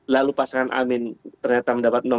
lalu pasangan amin ternyata mendapat